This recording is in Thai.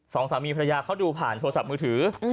สองสามีภรรยาเขาดูผ่านโทรศัพท์มือถือ